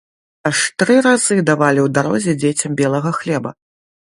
Аж тры разы давалі ў дарозе дзецям белага хлеба.